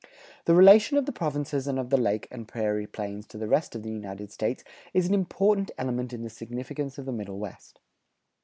The relation of the Provinces of the Lake and Prairie Plains to the rest of the United States is an important element in the significance of the Middle West.